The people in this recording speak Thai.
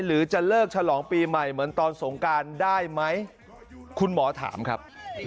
หรือจะเลิกฉลองปีใหม่เหมือนตอนสงการได้ไหมคุณหมอถามครับ